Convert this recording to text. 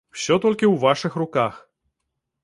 Усё толькі ў вашых руках!